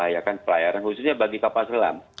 ya kan pelayaran khususnya bagi kapal selam